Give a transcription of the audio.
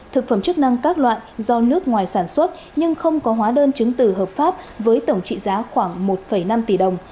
thực phẩm chức năng các loại do nước ngoài sản xuất nhưng không có hóa đơn chứng từ hợp pháp với tổng trị giá khoảng một năm tỷ đồng